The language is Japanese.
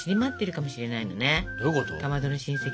かまどの親戚。